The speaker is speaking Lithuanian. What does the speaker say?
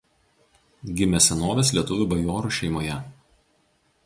Gimė senovės lietuvių bajorų šeimoje.